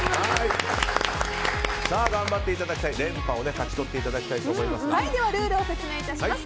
頑張っていただきたい連覇を勝ち取っていただきたいと思います。